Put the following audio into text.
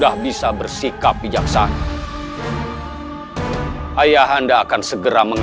apa yang harus saya taking way dari anda setelah ikut